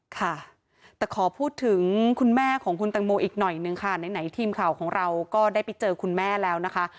ค่ะแต่ขอพูดถึงคุณแม่ของคุณตังโมอีกหน่อยนึงค่ะไหนทีมข่าวของเราก็ได้ไปเจอคุณแม่แล้วนะคะ